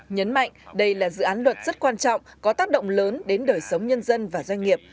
nhấn mạnh đây là dự án luật rất quan trọng có tác động lớn đến đời sống nhân dân và doanh nghiệp